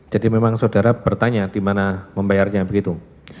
jadi memang saudara bertanya di mana membayarnya begitu